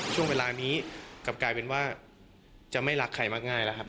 ช่วงเวลานี้กลับกลายเป็นว่าจะไม่รักใครมากง่ายแล้วครับ